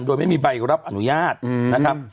โดยไม่มีใบรับอนุญาตนะครับ